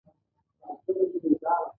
هغه باید حقوقي، سیاسي او اقتصادي جوړښت وي.